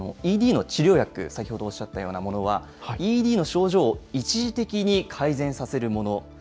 ＥＤの治療薬、先ほどおっしゃったようなものは、ＥＤの症状を一時的に改善させるもの。